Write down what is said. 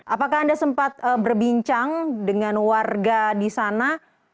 apakah anda sempat berbincang dengan warga di sana